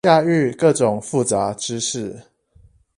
駕馭各種複雜知識